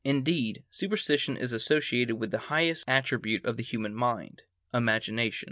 Indeed, superstition is associated with the highest attribute of the human mind,—imagination.